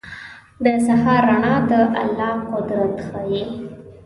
• د سهار رڼا د الله قدرت ښيي.